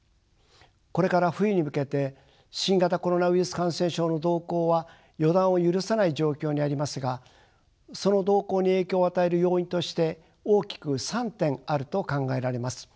これから冬に向けて新型コロナウイルス感染症の動向は予断を許さない状況にありますがその動向に影響を与える要因として大きく３点あると考えられます。